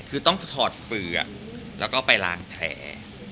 คือต้องถอดเปลือกแล้วก็ไปล้างแผล